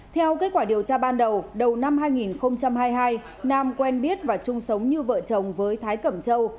theo kết quả điều tra ban đầu đầu năm hai nghìn hai mươi hai nam quen biết và chung sống như vợ chồng với thái cẩm châu